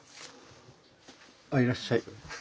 あいらっしゃい。